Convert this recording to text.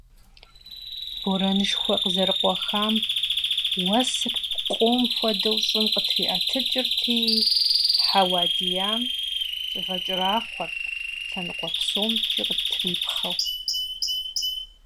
Борэнышхуэ къызэрыкъуэхам уэсыр пкъом хуэдэу щӀым къытриӀэтыкӀырти, хьэуа диям щигъэкӀэрахъуэрт, лъэныкъуэ псомкӀи къыттрипхъэу.